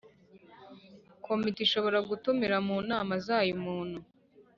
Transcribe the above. Komite ishobora gutumira mu nama zayo umuntu